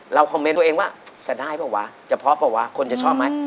เราคอมเมนต์ตัวเองว่าจะได้ป่ะวะจะพอป่ะวะคนจะชอบมั้ย